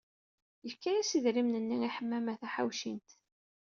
Yefka-as idrimen-nni i Ḥemmama Taḥawcint.